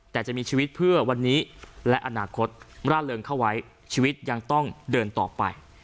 แต่จะมีชีวิตเพื่อวันนี้และอนาคตร่าเริงเข้าไว้ชีวิตยังต้องเดินต่อไป